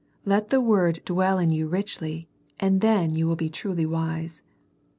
Let the word dwell in you richly, and then you will be truly wise.